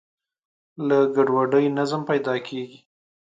له ګډوډۍ نظم پیدا کېږي.